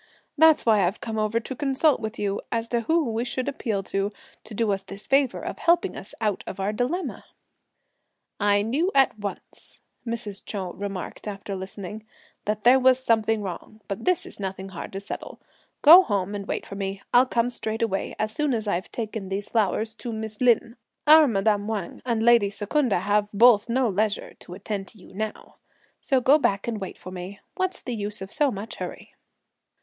That's why I've come over to consult with you, as to whom we should appeal to, to do us this favour of helping us out of our dilemma!" "I knew at once," Mrs. Chou remarked after listening, "that there was something wrong; but this is nothing hard to settle! Go home and wait for me and I'll come straightway, as soon as I've taken these flowers to Miss Lin; our madame Wang and lady Secunda have both no leisure (to attend to you now,) so go back and wait for me! What's the use of so much hurry!"